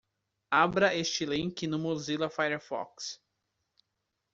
Abra este link no Mozilla Firefox.